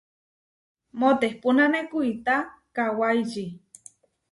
Moʼtepunane kuitá kawáiči.